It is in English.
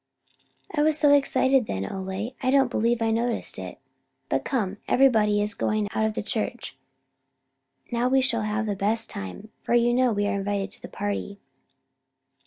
"I was so excited then, Ole, I don't believe I noticed it. But come, everybody is going out of the church. Now we shall have the best time, for you know we are invited to the party."